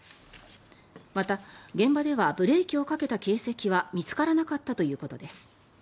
また、現場ではブレーキをかけた形跡は見つからなかったということです。